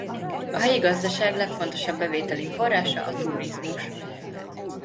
A helyi gazdaság legfontosabb bevételi forrása a turizmus.